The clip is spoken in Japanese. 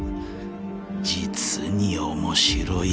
実に面白い